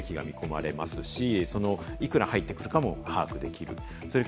有料席、もちろん収益が見込まれますし、いくら入ってくるかも把握できる。